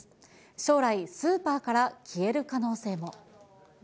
将来、スーパーから消える可能性も。